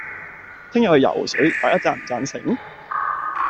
聽日去游水，大家贊唔贊成